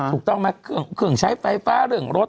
ถูกต้องไหมเครื่องใช้ไฟฟ้าเรื่องรถ